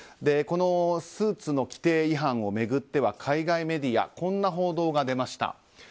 このスーツの規定違反を巡っては海外メディアこんな報道が出ました。